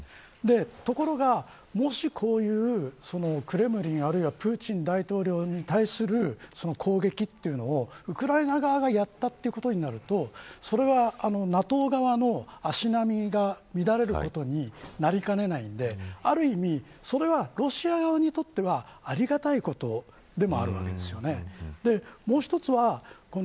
ところが、もしこういうクレムリン、あるいはプーチン大統領に対する攻撃というのをウクライナ側がやったということになるとそれはＮＡＴＯ側の足並みが乱れることになりかねないのである意味それはロシア側にとってはありがたいことでもあるわけです。